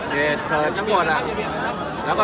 เกษตรทั้งหมดอ่ะ